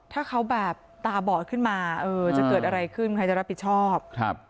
ถ้าเขาแบบตาบอดขึ้นมาเออจะเกิดอะไรขึ้นใครจะรับผิดชอบ